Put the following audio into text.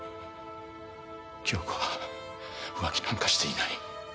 恭子は「浮気なんかしていない」。